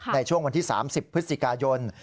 ในช่วงวันที่๓๐พฤศจิกายน